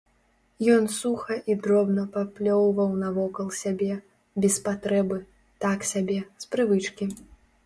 Ён суха і дробна паплёўваў навокал сябе, без патрэбы, так сабе, з прывычкі.